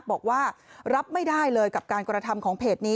บอกว่ารับไม่ได้เลยกับการกระทำของเพจนี้